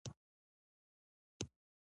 خلک د کیسو په وسیله ګډ واقعیت جوړوي.